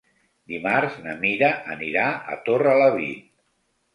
Dimarts na Mira anirà a Torrelavit.